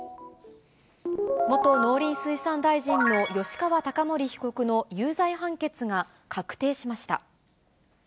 元農林水産大臣の吉川貴盛被告の有罪判決が確定しました。